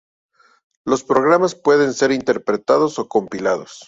Los programas pueden ser interpretados o compilados.